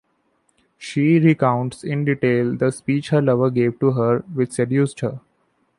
She recounts in detail the speech her lover gave to her which seduced her.